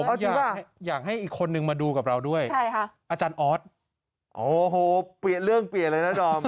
เอาจริงว่าอยากให้อีกคนนึงมาดูกับเราด้วยอาจารย์ออสโอ้โหเปลี่ยนเรื่องเปลี่ยนเลยนะดอม